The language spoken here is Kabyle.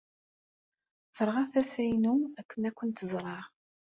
Terɣa tasa-inu akken ad kent-ẓreɣ.